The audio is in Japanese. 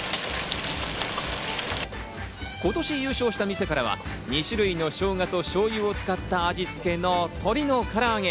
今年優勝した店からは２種類のしょうがと正油を使った味付けの鶏のからあげ。